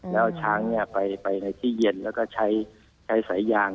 แล้วเอาช้างไปในที่เย็นแล้วก็ใช้สายยาง